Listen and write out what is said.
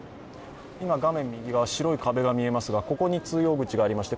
今、画面右側、白い壁が見えますが、ここに通用口がありまして